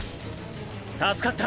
助かった。